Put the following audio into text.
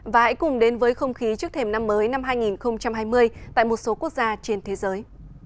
và hãy cùng đến với không khí trước thềm năm mới năm hai nghìn hai mươi tại một số quốc gia trên thế giới